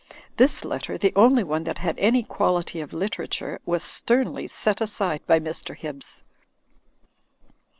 This letter (the only one that had any quality of literature) was sternly set aside by Mr. Hibbs.